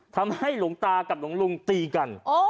ทำให้หลวงตากับหลวงตีกัน